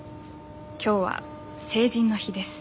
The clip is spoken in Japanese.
今日は成人の日です。